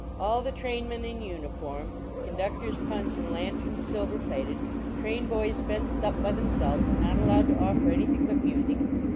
All the trainmen in uniform; con ductor s punch and lanterns silver plated ; train boys fenced up by themselves and not allowed to offer anything but music.